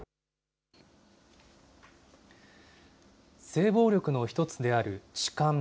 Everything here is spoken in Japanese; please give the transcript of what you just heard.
性暴力の１つである痴漢。